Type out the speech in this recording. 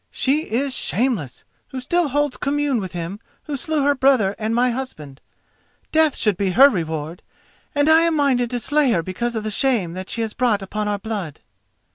She is shameless, who still holds commune with him who slew her brother and my husband. Death should be her reward, and I am minded to slay her because of the shame that she has brought upon our blood."